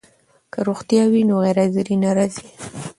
که روغتیا وي نو غیرحاضري نه راځي.